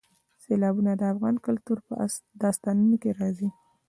سیلابونه د افغان کلتور په داستانونو کې راځي.